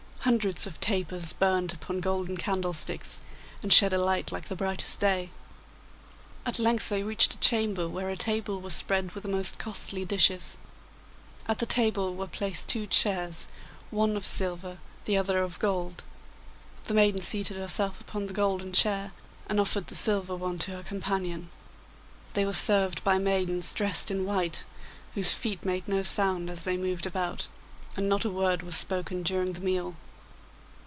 Hundreds of tapers burnt upon golden candlesticks, and shed a light like the brightest day. At length they reached a chamber where a table was spread with the most costly dishes. At the table were placed two chairs, one of silver, the other of gold. The maiden seated herself upon the golden chair, and offered the silver one to her companion. They were served by maidens dressed in white, whose feet made no sound as they moved about, and not a word was spoken during the meal.